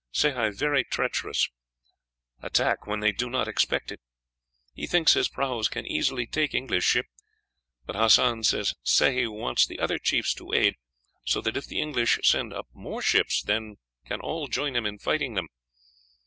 Sehi very treacherous; attack when they do not expect it. He thinks his prahus can easily take English ship; but Hassan says Sehi wants the other chiefs to aid, so that if the English send up more ships, then, can all join him in fighting them.